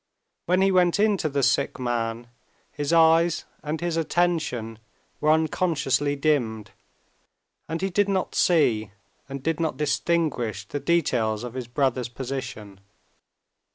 When he went in to the sick man, his eyes and his attention were unconsciously dimmed, and he did not see and did not distinguish the details of his brother's position.